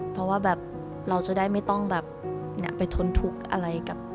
เพราะว่าแบบเราจะได้ไม่ต้องแบบไปทนทุกข์อะไรกับ